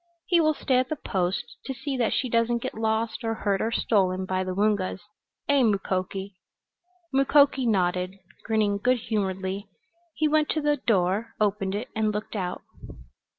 He will stay at the Post to see that she doesn't get lost, or hurt, or stolen by the Woongas. Eh, Mukoki?" Mukoki nodded, grinning good humoredly. He went to the door, opened it and looked out.